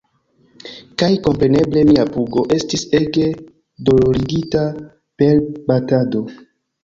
Kaj kompreneble, mia pugo... estis ege dolorigita per batado.